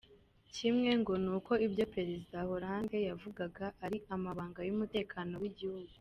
Kimwe, ngo n’uko ibyo perezida Hollande yavugaga ari amabanga y’umutekano w’’igihugu.